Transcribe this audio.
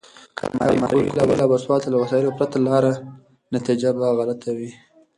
که ماري کوري لابراتوار ته له وسایلو پرته لاړه، نتیجه به غلطه وي.